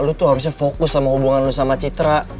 lu tuh harusnya fokus sama hubungan lu sama citra